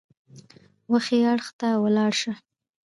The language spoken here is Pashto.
وښي اړخ ته ولاړ شه !